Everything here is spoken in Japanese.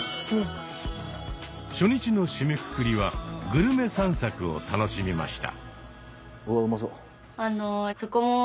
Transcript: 初日の締めくくりはグルメ散策を楽しみました。